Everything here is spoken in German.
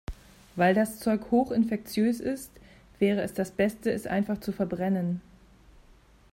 Weil das Zeug hoch infektiös ist, wäre es das Beste, es einfach zu verbrennen.